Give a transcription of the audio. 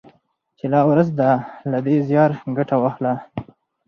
چي لا ورځ ده له دې زياره ګټه واخله